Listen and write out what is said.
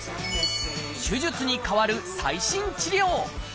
手術にかわる最新治療。